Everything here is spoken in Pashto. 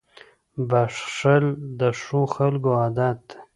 • بښل د ښو خلکو عادت دی.